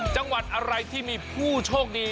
จังหวัดอะไรที่มีผู้โชคดี